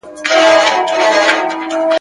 له یوې خوني تر بلي پوري تلمه ..